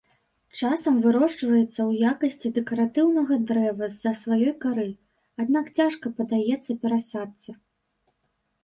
Часам вырошчваецца ў якасці дэкаратыўнага дрэва з-за сваёй кары, аднак цяжка паддаецца перасадцы.